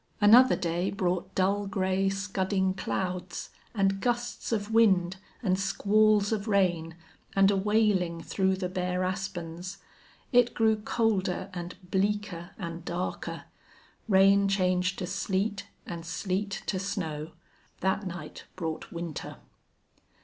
Another day brought dull gray scudding clouds, and gusts of wind and squalls of rain, and a wailing through the bare aspens. It grew colder and bleaker and darker. Rain changed to sleet and sleet to snow. That night brought winter.